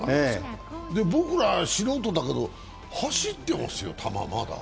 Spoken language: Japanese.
僕ら素人だけど走ってますよ、球まだ。